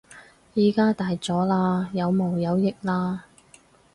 而家大咗喇，有毛有翼喇